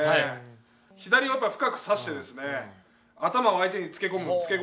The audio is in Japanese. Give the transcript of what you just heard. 左を深く差してですね頭を相手につけ込んで。